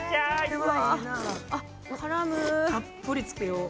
たっぷりつけよう。